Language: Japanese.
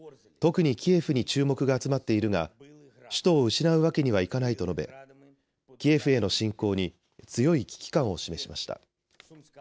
特にキエフに注目が集まっているが首都を失うわけにはいかないと述べキエフへの侵攻に強い危機感を示しました。